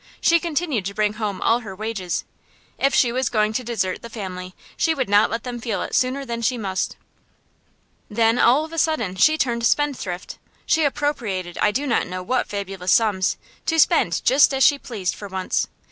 She continued to bring home all her wages. If she was going to desert the family, she would not let them feel it sooner than she must. Then all of a sudden she turned spendthrift. She appropriated I do not know what fabulous sums, to spend just as she pleased, for once.